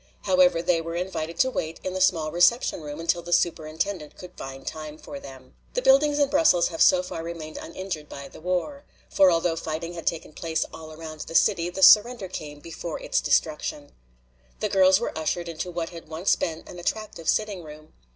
However, they were invited to wait in a small reception room until the Superintendent could find time for them. The buildings in Brussels have so far remained uninjured by the war. For although fighting had taken place all around the city, the surrender came before its destruction. The girls were ushered into what had once been an attractive sitting room.